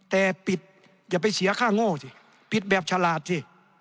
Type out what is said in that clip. แต่ปิดอย่าไปเสียค่าโง่สิปิดแบบฉลาดสิ